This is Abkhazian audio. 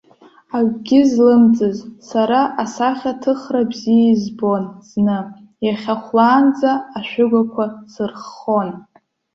Акгьы злымҵыз сара асахьаҭыхра бзиа избон зны, иахьа хәлаанӡа ашәыгақәа сырххон.